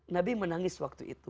nabi menangis waktu itu